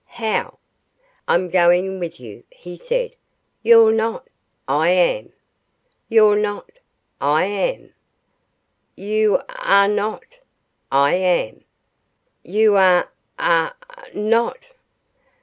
"How?" "I'm going with you," he said. "You're not." "I am." "You're not." I am". "You ar r re not." "I am". "You are, ar r re not."